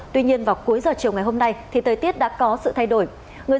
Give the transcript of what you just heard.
tuy nhiên vào cuối giờ chiều ngày hôm nay thì thời tiết đã có sự thay đổi